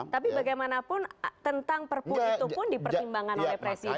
tapi bagaimanapun tentang perpu itu pun dipertimbangkan oleh presiden